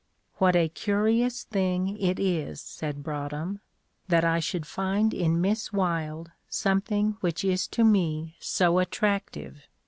"What a curious thing it is," said Broadhem, "that I should find in Miss Wylde something which is to me so attractive!